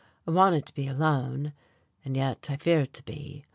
I wanted to be alone, and yet I feared to be.